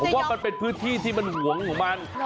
ผมว่ามันเป็นพื้นที่ที่มันห่วงของมัน